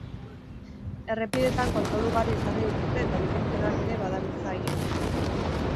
Errepideetan kontrol ugari ezarri dituzte eta helikopteroak ere badabiltza haien bila.